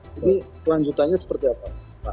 jadi kelanjutannya seperti apa